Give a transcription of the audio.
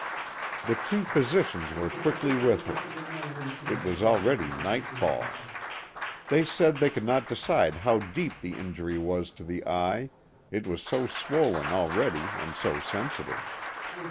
The two physicians were quickly with her. It was already nightfall. They said they could not decide how deep the injury was to the eye it was so swollen already and so sensitive.